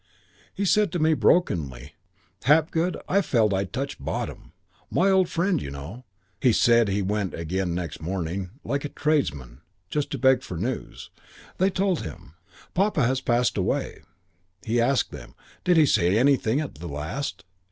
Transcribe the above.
He said to me, brokenly, 'Hapgood, I felt I'd touched bottom. My old friend, you know.' He said he went again next morning, like a tradesman, just to beg for news. They told him, 'Papa has passed away.' He asked them, 'Did he say anything at the last?